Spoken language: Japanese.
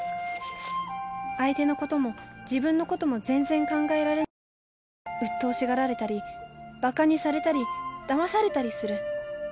相手のことも自分のことも全然考えられないからうっとうしがられたりバカにされたりだまされたりする。